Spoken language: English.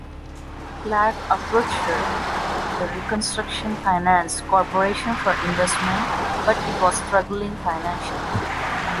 Clark approached the Reconstruction Finance Corporation for investment, but it was struggling financially.